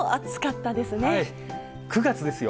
９月ですよ。